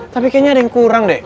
tapi kayaknya ada yang kurang deh